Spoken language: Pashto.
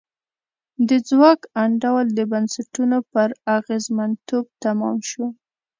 د ځواک انډول د بنسټونو پر اغېزمنتوب تمام شو.